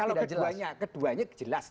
kalau keduanya keduanya jelas